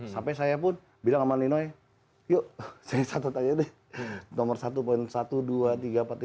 sampai saya pun bilang sama nino ika rundeng yuk saya satu tanya deh